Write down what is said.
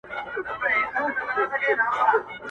o غل په غره کي ځاى نه لري.